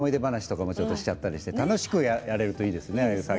ちょっと思い出話もしちゃったりして楽しくやれるといいですね。